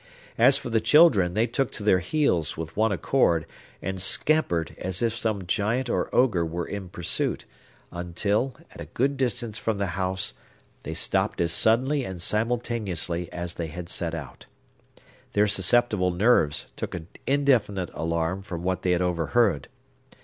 As for the children, they took to their heels, with one accord, and scampered as if some giant or ogre were in pursuit, until, at a good distance from the house, they stopped as suddenly and simultaneously as they had set out. Their susceptible nerves took an indefinite alarm from what they had overheard.